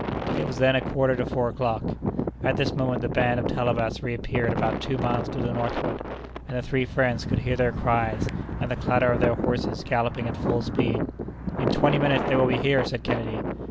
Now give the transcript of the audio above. It was then a quarter to four o'clock. At this moment the band of Talabas reappeared about two miles to the northward, and the three friends could hear their cries, and the clatter of their horses galloping at full speed. "In twenty minutes they will be here!" said Kennedy.